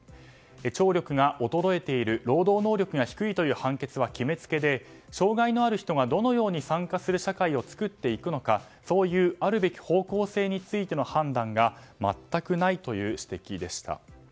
聴力が衰えている労働能力が低いという判決は決めつけで障害のある人がどのように参加する社会を作っていくのかそういうあるべき方向性についての判断が全くないという指摘でした。